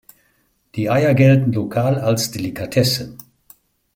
Die Eier gelten lokal als Delikatesse.